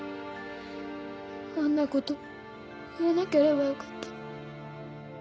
あんな事言わなければよかった。